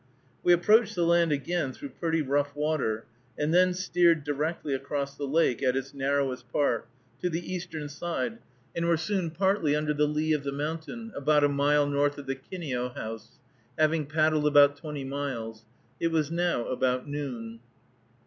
We approached the land again through pretty rough water, and then steered directly across the lake, at its narrowest part, to the eastern side, and were soon partly under the lee of the mountain, about a mile north of the Kineo House, having paddled about twenty miles. It was now about noon.